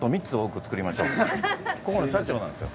ここの社長なんですよ。